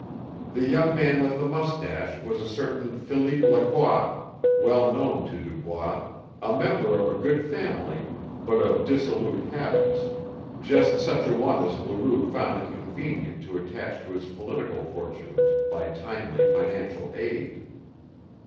The young man with the mustache was a certain Philippe Lacroix, well known to Dubois, a member of a good family, but of dissolute habits just such a one as Leroux found it convenient to attach to his political fortunes by timely financial aid.